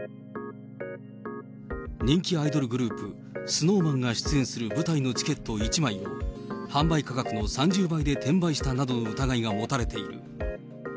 人気アイドルグループ、ＳｎｏｗＭａｎが出演する舞台のチケット１枚を、販売価格の３０倍で転売したなどの疑いが持たれている。